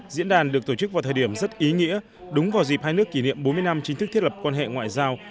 diễn đàn được tổ chức vào thời điểm rất ý nghĩa đúng vào dịp hai nước kỷ niệm bốn mươi năm chính thức thiết lập quan hệ ngoại giao